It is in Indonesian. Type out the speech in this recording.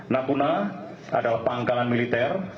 natuna adalah pangkalan militer